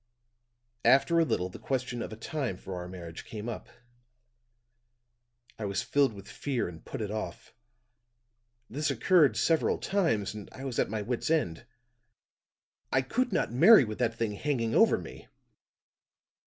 After a little the question of a time for our marriage came up; I was filled with fear and put it off; this occurred several times, and I was at my wits' end. I could not marry with that thing hanging over me.